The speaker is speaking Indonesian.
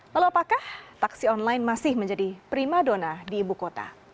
lalu apakah taksi online masih menjadi prima dona di ibu kota